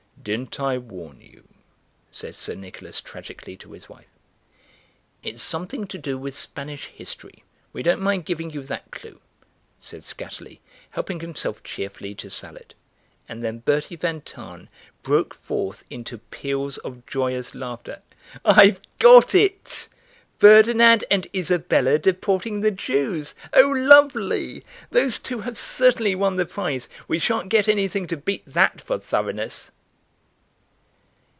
"Didn't I warn you?" said Sir Nicholas tragically to his wife. "It's something to do with Spanish history; we don't mind giving you that clue," said Skatterly, helping himself cheerfully to salad, and then Bertie van Tahn broke forth into peals of joyous laughter. "I've got it! Ferdinand and Isabella deporting the Jews! Oh, lovely! Those two have certainly won the prize; we shan't get anything to beat that for thoroughness."